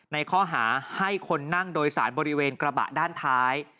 ในข้อหาให้คนนั่งโดยสารบริเวณกระบะด้านท้าย